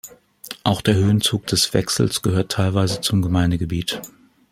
Auch der Höhenzug des Wechsels gehört teilweise zum Gemeindegebiet.